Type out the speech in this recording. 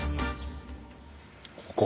ここ